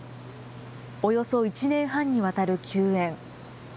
およそ１年半にわたる休演。